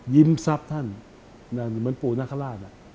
ทรัพย์ท่านเหมือนปู่นาคาราช